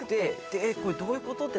「えっこれどういうこと？」って